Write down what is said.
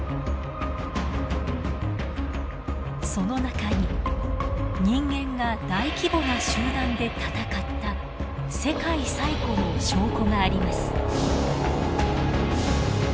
その中に人間が大規模な集団で戦った世界最古の証拠があります。